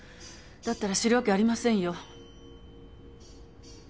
だったら知るわけありませんよ。